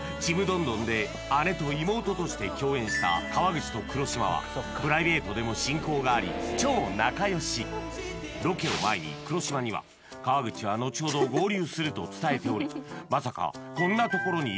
「ちむどんどん」で姉と妹として共演した川口と黒島はプライベートでも親交があり超仲良しロケを前に黒島には川口は後ほど合流すると伝えておりまさかはいその時に